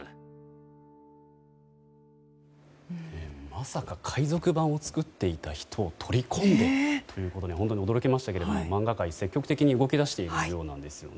まさか海賊版を作っていた人を取り込んでということで本当に驚きましたが漫画界は積極的に動き出しているようです。